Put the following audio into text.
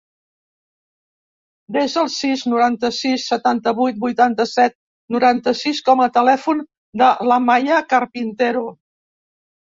Desa el sis, noranta-sis, setanta-vuit, vuitanta-set, noranta-sis com a telèfon de l'Amaya Carpintero.